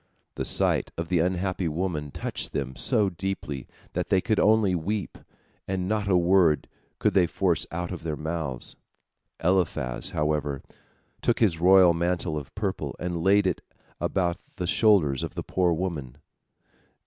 The sight of the unhappy woman touched them so deeply that they could only weep, and not a word could they force out of their mouths. Eliphaz, however, took his royal mantle of purple, and laid it about the shoulders of the poor woman.